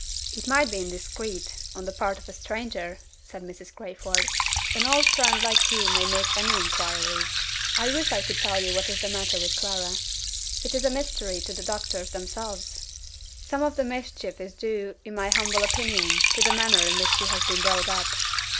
"It might be indiscreet, on the part of a stranger," said Mrs. Crayford. "An old friend like you may make any inquiries. I wish I could tell you what is the matter with Clara. It is a mystery to the doctors themselves. Some of the mischief is due, in my humble opinion, to the manner in which she has been brought up."